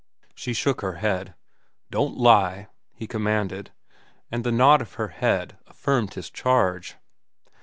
She shook her head. "Don't lie," he commanded, and the nod of her head affirmed his charge.